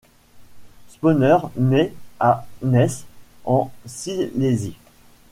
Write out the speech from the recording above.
Sponer naît à Neisse, en Silésie.